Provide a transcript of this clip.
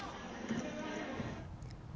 quỹ nhi đồng liên hợp quốc